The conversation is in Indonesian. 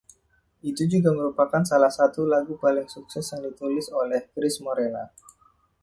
Itu juga merupakan salah satu lagu paling sukses yang ditulis oleh Cris Morena.